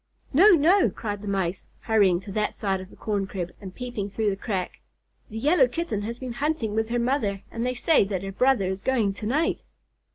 "No, no!" cried the Mice, hurrying to that side of the corn crib, and peeping through the crack. "The Yellow Kitten has been hunting with her mother, and they say that her brother is going to night."